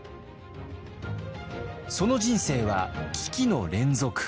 その人生は危機の連続。